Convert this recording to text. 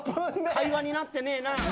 会話になってねえな。